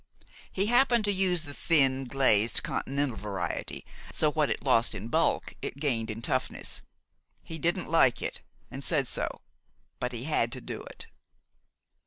He happened to use the thin, glazed, Continental variety, so what it lost in bulk it gained in toughness. He didn't like it, and said so; but he had to do it."